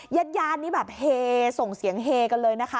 ยัดยานนี้แบบเฮส่งเสียงเฮกันเลยนะคะ